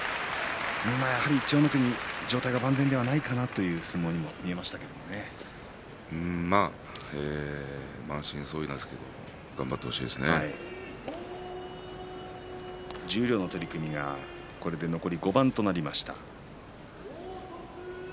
やはり千代の国状態が万全ではないかなという満身創いなんですけど十両の取組がこれで残り５番となりました。